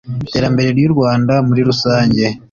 Iterambere ry’u Rwanda muri rusange